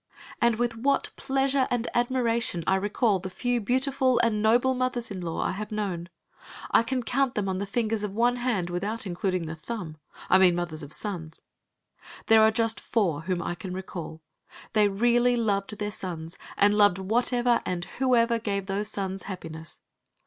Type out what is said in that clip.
And with what pleasure and admiration I recall the few beautiful and noble mothers in law I have known! I can count them on the fingers of one hand without including the thumb. I mean mothers of sons. There are just four whom I can recall. They really loved their sons, and loved whatever and whoever gave those sons happiness.